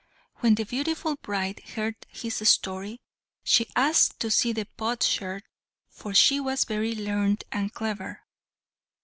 When the beautiful bride heard his story, she asked to see the potsherd, for she was very learned and clever.